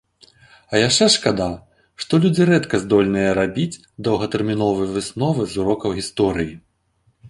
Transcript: А яшчэ шкада, што людзі рэдка здольныя рабіць доўгатэрміновыя высновы з урокаў гісторыі.